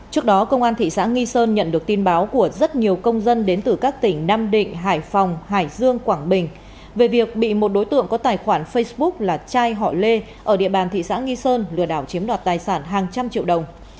trước đó công an thị xã nghi sơn nhận được tin báo của rất nhiều công dân đến từ các tỉnh nam định hải phòng hải dương quảng bình về việc bị một đối tượng có tài khoản facebook là trai họ lê ở địa bàn thị xã nghi sơn lừa đảo chiếm đoạt tài sản hàng trăm triệu đồng